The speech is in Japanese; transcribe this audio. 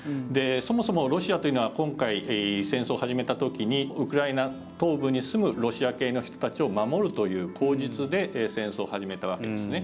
そもそもロシアというのは今回、戦争を始めた時にウクライナ東部に住むロシア系の人たちを守るという口実で戦争を始めたわけですね。